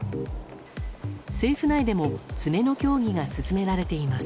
政府内でも詰めの協議が進められています。